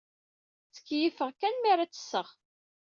Ttkeyyifeɣ kan mi ara ttesseɣ.